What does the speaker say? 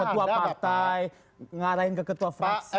ada gak ketua partai ngarahin ke ketua fraksi